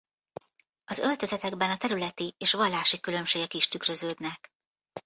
Az öltözetekben a területi és vallási különbségek is tükröződnek.